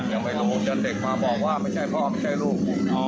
อย่าไปกังวลจนเด็กมาบอกว่าไม่ใช่พ่อไม่ใช่ลูก